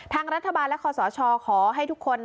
ทางรัฐบาลและคอสชขอให้ทุกคน